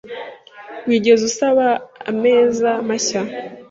Wigeze usaba ameza mashya?